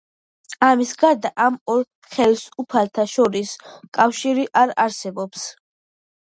ამის გარდა ამ ორ ხელისუფალთა შორის კავშირი არ არსებობს.